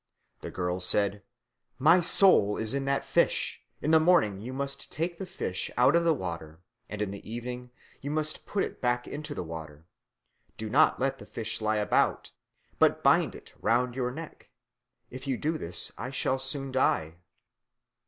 The girl said, "My soul is in that fish. In the morning you must take the fish out of the water, and in the evening you must put it back into the water. Do not let the fish lie about, but bind it round your neck. If you do this, I shall soon die."